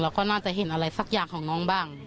แล้วก็น่าจะเห็นอะไรสักอย่างของน้องบ้าง